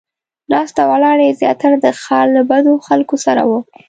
ناسته ولاړه یې زیاتره د ښار له بدو خلکو سره وه.